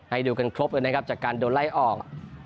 ดูกันครบเลยนะครับจากการโดนไล่ออก